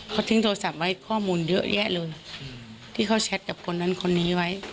เขาทิ้งโทรศัพท์ไว้ข้อมูลเยอะแยะเลยที่เขาแชทกับคนนั้นคนนี้ไว้